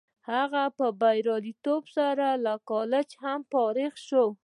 هغه په بریالیتوب سره له کالجه هم فارغ شو